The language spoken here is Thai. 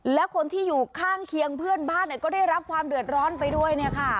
แล้วคนที่อยู่ข้างเคียงเพื่อนบ้านเนี่ยก็ได้รับความเดือดร้อนไปด้วยเนี่ยค่ะ